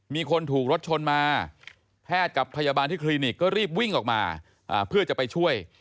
มีคนถูกรถชนมาแพทย์กับพยาบาลที่คลินิกก็รีบวิ่งออกมาเพื่อจะไปช่วย